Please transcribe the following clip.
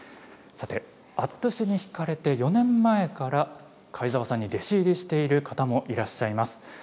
アットゥシに引かれて４年前から貝澤さんに弟子入りしている方もいらっしゃいます。